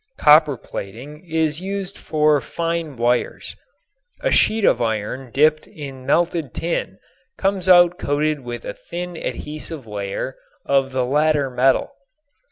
Copper plating is used for fine wires. A sheet of iron dipped in melted tin comes out coated with a thin adhesive layer of the latter metal.